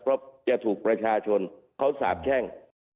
เพราะจะถูกประชาชนเขาสาบแช่ง